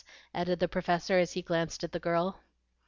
added the Professor as he glanced at the girl.